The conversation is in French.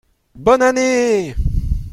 Bonne année !